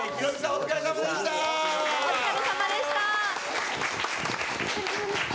お疲れさまでした。